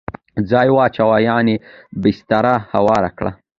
ځای واچوه ..یعنی بستره هواره کړه